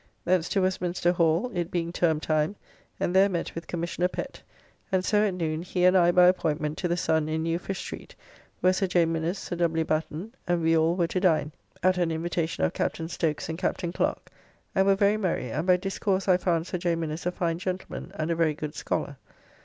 Thence to Westminster Hall (it being Term time) and there met with Commissioner Pett, and so at noon he and I by appointment to the Sun in New Fish Street, where Sir J. Minnes, Sir W. Batten, and we all were to dine, at an invitation of Captain Stoaks and Captain Clerk, and were very merry, and by discourse I found Sir J. Minnes a fine gentleman and a very good scholler.